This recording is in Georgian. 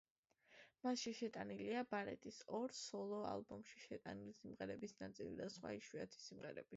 მასში შეტანილია ბარეტის ორ სოლო ალბომში შეტანილი სიმღერების ნაწილი და სხვა იშვიათი სიმღერები.